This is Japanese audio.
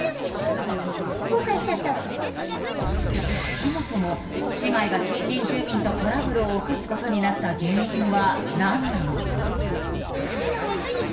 そもそも姉妹が近隣住民とトラブルを起こすことになった原因は何なのか？